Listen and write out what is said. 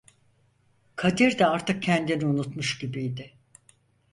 Kadir de artık kendini unutmuş gibiydi.